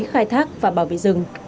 trong quản lý khai thác và bảo vệ rừng